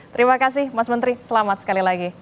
terima kasih mas menteri selamat sekali lagi